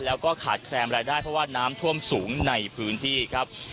แล้วก็ขาดแคลนรายได้เพราะว่าน้ำท่วมสูงในพื้นที่ครับ